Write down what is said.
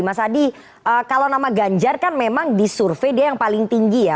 mas adi kalau nama ganjar kan memang di survei dia yang paling tinggi ya